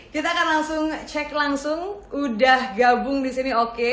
kita akan langsung cek langsung udah gabung disini oke